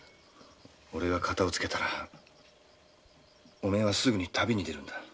俺が片をつけたらお前はすぐに旅に出るんだ。